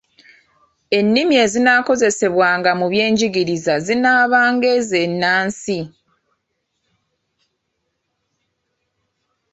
Ennimi ezinaakozesebwanga mu byenjigiriza zinaabanga ezo ennansi.